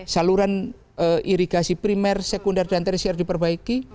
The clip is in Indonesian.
saluran irigasi primer sekunder dan terisir diperbaiki